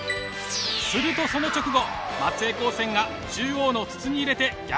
するとその直後松江高専が中央の筒に入れて逆転します。